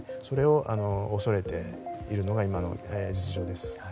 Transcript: それを恐れているのが今の実情です。